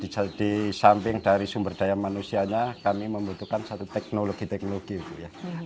di samping dari sumber daya manusianya kami membutuhkan satu teknologi teknologi bu ya